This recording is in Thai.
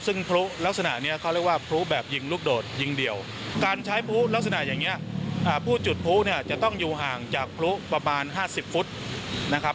ซึ่งพลุลักษณะนี้เขาเรียกว่าพลุแบบยิงลูกโดดยิงเดี่ยวการใช้พลุลักษณะอย่างนี้ผู้จุดพลุเนี่ยจะต้องอยู่ห่างจากพลุประมาณ๕๐ฟุตนะครับ